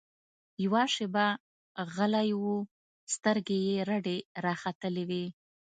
يوه شېبه غلى و سترګې يې رډې راختلې وې.